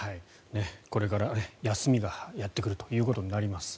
これから休みがやってくるということになります。